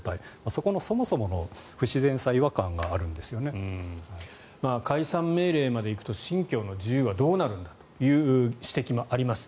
そこのそもそもの不自然解散命令まで行くと信教の自由はどうなるんだという指摘もあります。